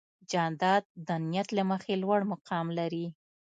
جانداد د نیت له مخې لوړ مقام لري.